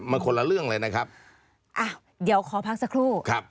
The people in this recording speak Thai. มันคนละเรื่องเลยนะครับ